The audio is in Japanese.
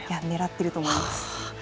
狙っていると思います。